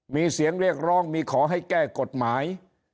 มีเสียงเรียกร้องมีขอให้แก้กฎหมาย